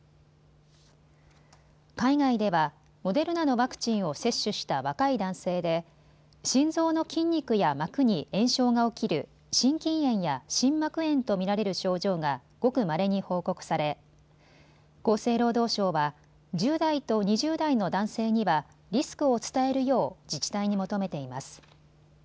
海外ではモデルナのワクチンを接種した若い男性で心臓の筋肉や膜に炎症が起きる、心筋炎や心膜炎と見られる症状がごくまれに報告され厚生労働省は１０代と２０代の男性にはリスクを伝えるよう自治体に求めています。